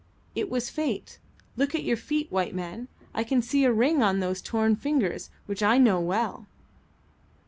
"It was fate. Look at your feet, white man. I can see a ring on those torn fingers which I know well."